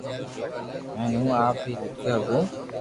ھين ھون آپ ھي ليکو ھگو